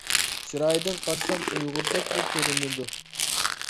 چىرايىدىن قارىسام ئۇيغۇردەكلا كۆرۈنىدۇ.